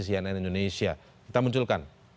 cnn indonesia kita munculkan